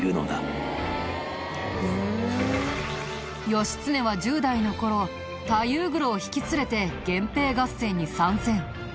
義経は１０代の頃大夫黒を引き連れて源平合戦に参戦。